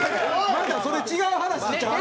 またそれ違う話ちゃう？